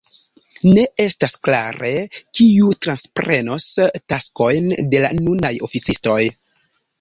Ne estas klare kiu transprenos taskojn de la nunaj oficistoj.